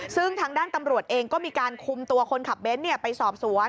ซึ่งทางด้านตำรวจเองก็มีการคุมตัวคนขับเบ้นไปสอบสวน